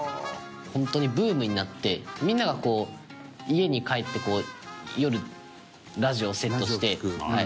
本当に、ブームになってみんなが、こう、家に帰って夜、ラジオをセットして。